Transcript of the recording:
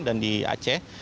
dan di aceh